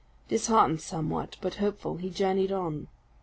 Disheartened somewhat, but hopeful, he journeyed on.